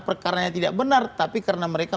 perkara yang tidak benar tapi karena mereka